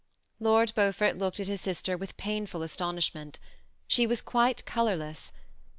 Lord Beaufort looked at his sister with painful aston ishment. She was quite colorless.